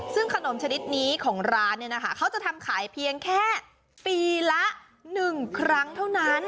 ซึ่งขนมชนิดนี้ของร้านเขาจะทำขายแค่ปีละ๑ครั้งเท่านั้น